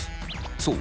そう。